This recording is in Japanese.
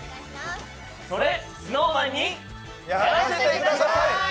「それＳｎｏｗＭａｎにやらせて下さい」。